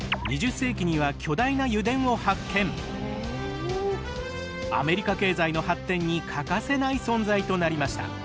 更にアメリカ経済の発展に欠かせない存在となりました。